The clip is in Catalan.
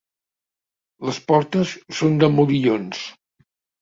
Les portes són de modillons.